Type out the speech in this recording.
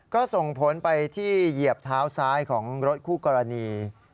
ก็ส่งผลไปที่เหยียบเท้าซ้ายของรถคู่กรณี